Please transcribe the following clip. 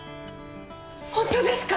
本当ですか！？